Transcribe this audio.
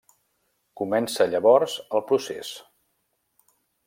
Comença llavors el procés.